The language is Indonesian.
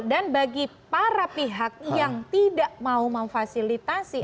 dan bagi para pihak yang tidak mau memfasilitasi